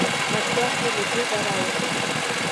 مسواک يې له جيبه راوکيښ.